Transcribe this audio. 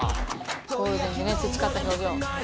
ゴールデンでね培った表情。